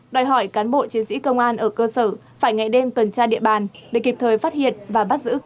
đòi hỏi cán bộ chiến sĩ công an ở cơ sở phải ngày đêm tuần tra địa bàn để kịp thời phát hiện và bắt giữ